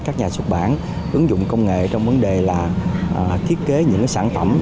các nhà xuất bản ứng dụng công nghệ trong vấn đề là thiết kế những sản phẩm